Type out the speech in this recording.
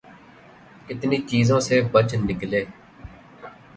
کتنی چیزوں سے بچ نکلے۔